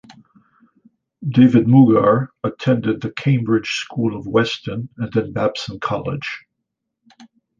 David Mugar attended the Cambridge School of Weston, and then Babson College.